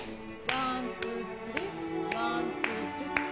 ワンツースリー。